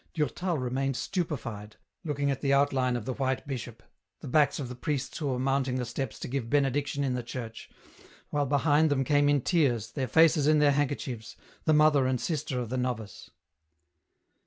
Durtal remained stupefied, looking at the outline of the white bishop, the backs of the priests who were mounting the steps to give Benediction in the church, while behind them came in tears, their faces in their handkerchiefs, the mother and sister of the novice.